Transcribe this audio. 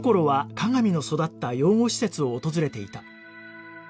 加賀美の育った養護施設を訪れていた